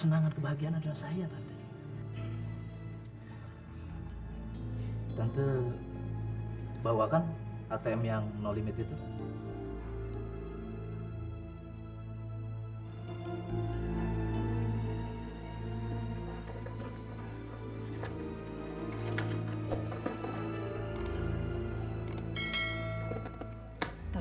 tante gak perlu buang buang duit buat dia